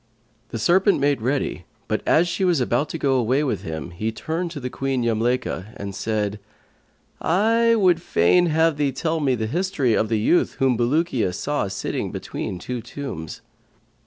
The serpent made ready, but as she was about to go away with him, he turned to Queen Yamlaykha and said, "I would fain have thee tell me the history of the youth whom Bulukiya saw sitting between two tombs."